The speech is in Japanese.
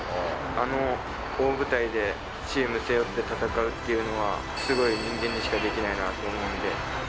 あの大舞台でチーム背負って戦うっていうのは、すごい人間にしかできないなと思うので。